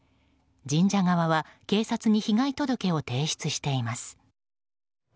神社側は警察に被害届を提出しています。